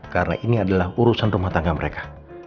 karena ini adalah urusan rumah tangga mereka